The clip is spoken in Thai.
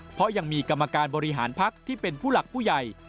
เพราะยังมีกรรมการบริหารพักที่เป็นผู้หลักผู้ใหญ่